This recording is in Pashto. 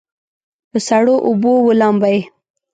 په سړو اوبو ولامبئ.